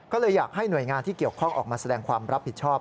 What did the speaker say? ก็เลยอยากให้หน่วยงานที่เกี่ยวข้องออกมาแสดงความรับผิดชอบ